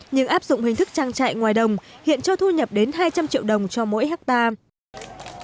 nhưng áp dụng hình thức trang trại ngoài đồng hiện cho thu nhập đến hai trăm linh triệu đồng cho mỗi hectare